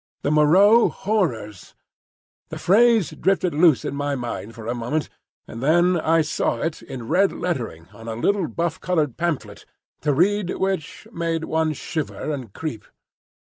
"The Moreau Horrors!" The phrase drifted loose in my mind for a moment, and then I saw it in red lettering on a little buff coloured pamphlet, to read which made one shiver and creep.